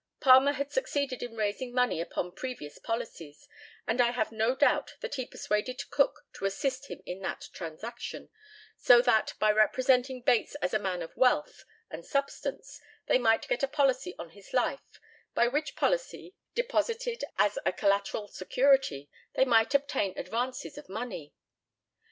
Palmer had succeeded in raising money upon previous policies, and I have no doubt that he persuaded Cook to assist him in that transaction, so that, by representing Bates as a man of wealth and substance, they might get a policy on his life, by which policy, deposited as a collateral security, they might obtain advances of money.